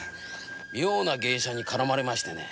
妙な芸者に絡まれましてね。